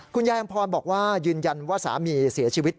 คุณยายอำพรบอกว่ายืนยันว่าสามีเสียชีวิต